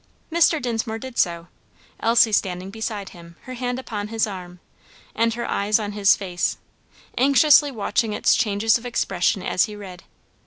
Mr. Dinsmore did so, Elsie standing beside him, her hand upon his arm, and her eyes on his face anxiously watching its changes of expression as he read.